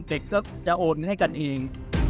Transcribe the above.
เด็กก็จะโอนให้กันเอง